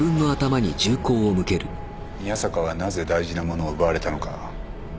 宮坂はなぜ大事なものを奪われたのか。